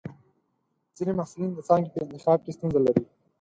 ځینې محصلین د څانګې په انتخاب کې ستونزه لري.